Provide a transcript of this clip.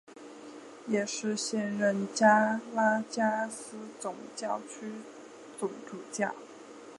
也是现任加拉加斯总教区总主教。